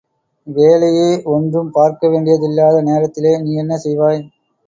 வேலையே ஒன்றும் பார்க்கவேண்டியதில்லாத நேரத்திலே நீ என்ன செய்வாய்?